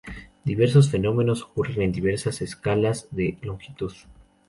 Diversos fenómenos ocurren en diversas escalas de longitud.